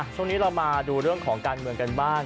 ช่วงนี้เรามาดูเรื่องของการเมืองกันบ้าง